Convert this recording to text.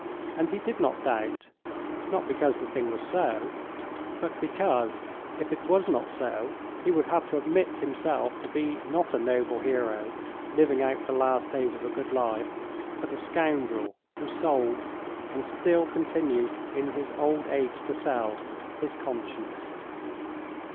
And he did not doubt, not because the thing was so, but because if it was not so, he would have to admit himself to be not a noble hero living out the last days of a good life, but a scoundrel, who sold, and still continued in his old age to sell, his conscience.